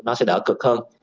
nó sẽ đỡ cực hơn